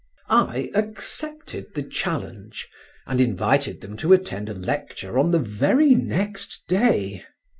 I accepted the challenge, and invited them to attend a lecture on the very next day.